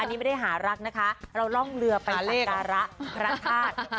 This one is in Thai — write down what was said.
อันนี้ไม่ได้หารักนะคะเราร่องเรือไปสักการะพระธาตุ